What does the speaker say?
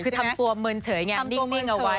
คือทำตัวเมินเฉยไงนิ่งเอาไว้